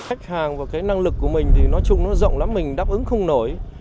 khách hàng và cái năng lực của mình thì nói chung nó rộng lắm mình đáp ứng không nổi